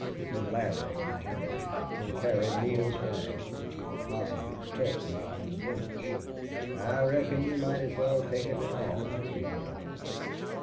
Then Larry returned. He carried Neale's bag, which he deposited carefully on the bench. "I reckon you might as well take it along," he drawled.